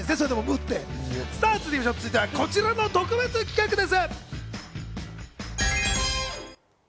続いては、こちらの特別企画です。